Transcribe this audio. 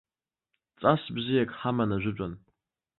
Ҵас бзиак ҳаман ажәытәан.